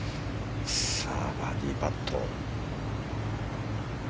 さあ、バーディーパット。